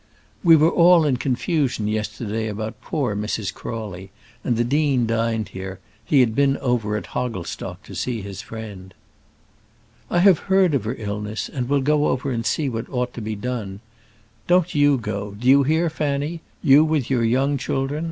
"We were all in confusion yesterday about poor Mrs. Crawley, and the dean dined here; he had been over at Hogglestock to see his friend." "I have heard of her illness, and will go over and see what ought to be done. Don't you go, do you hear, Fanny? You with your young children!